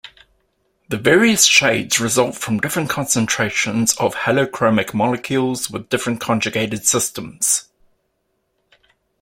The various shades result from different concentrations of halochromic molecules with different conjugated systems.